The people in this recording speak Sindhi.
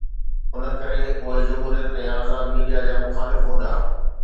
ان ڪري اهي جمهوريت ۽ آزاد ميڊيا جا مخالف هوندا.